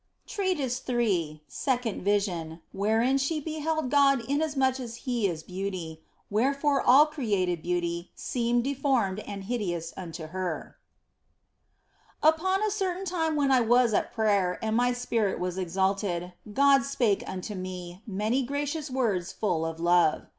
OF FOLIGNO 169 SECOND VISION, WHEREIN SHE BEHELD GOD INASMUCH AS HE IS BEAUTY, WHEREFORE ALL CREATED BEAUTY SEEMED DEFORMED AND HIDEOUS UNTO HER UPON a certain time when I was at prayer and my spirit was exalted, God spake unto me many gracious words full of love.